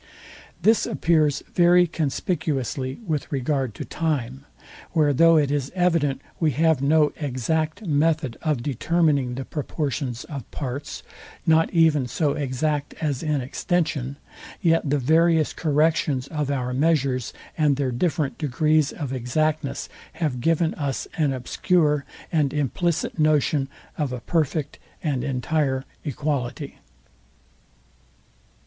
This appears very conspicuously with regard to time; where though it is evident we have no exact method of determining the proportions of parts, not even so exact as in extension, yet the various corrections of our measures, and their different degrees of exactness, have given as an obscure and implicit notion of a perfect and entire equality.